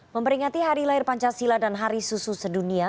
memperingati hari lahir pancasila dan hari susu sedunia